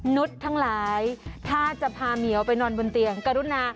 นุษย์ทั้งหลายถ้าจะพาเหมียวไปนอนบนเตียงกรุณา